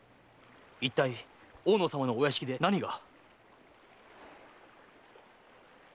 いったい大野様のお屋敷で何が？